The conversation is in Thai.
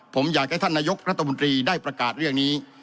ผมอยากให้ท่านนายกรัฐมนตรีได้ประกาศเรื่องนี้